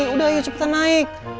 udah ayo cepetan naik